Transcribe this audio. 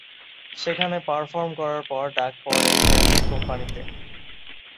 সেখানে পারফর্ম করার পর ডাক পড়ে ক্যাসেট কোম্পানীতে।